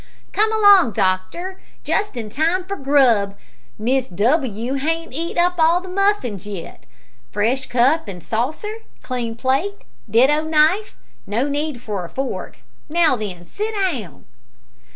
"Come along, doctor, just in time for grub. Mrs W hain't eat up all the muffins yet. Fresh cup an' saucer; clean plate; ditto knife; no need for a fork; now then, sit down."